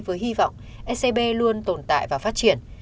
với hy vọng ecb luôn tồn tại và phát triển